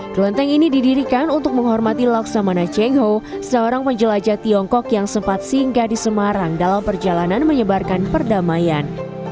kelenteng ini didirikan untuk menghormati laksamana cheng ho seorang penjelajah tiongkok yang sempat singgah di semarang dalam perjalanan menyebarkan perdamaian